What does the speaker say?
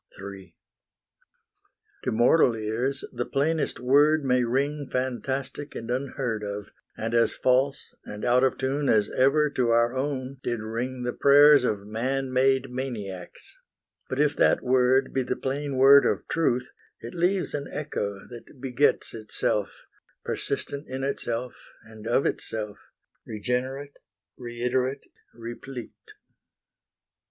III To mortal ears the plainest word may ring Fantastic and unheard of, and as false And out of tune as ever to our own Did ring the prayers of man made maniacs; But if that word be the plain word of Truth, It leaves an echo that begets itself, Persistent in itself and of itself, Regenerate, reiterate, replete.